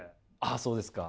あそうですか。